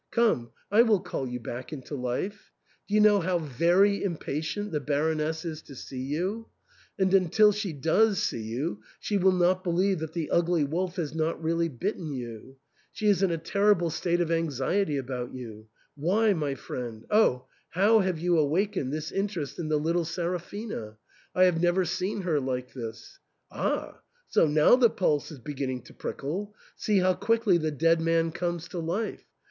Come, I will call you back into life. Do you know how very impatient the Baroness is to see you ? And until she does see you she will not believe that the ugly wolf has not really bitten you. She is in a terrible state of anxiety about you. Why, my friend, — oh ! how have you awakened this interest in the little Seraphina ? I have never seen her like this. Ah !— so now the pulse is beginning to prickle ; see how quickly the dead man comes to life